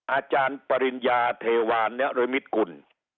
อาจารย์ปริญญาเทวานนรมิตกุล